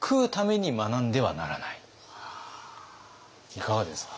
いかがですか？